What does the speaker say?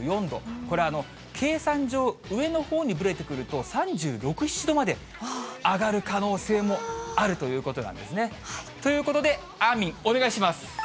これ、計算上、上のほうにぶれてくると、３６、７度まで上がる可能性もあるということなんですね。ということで、あーみん、お願いします。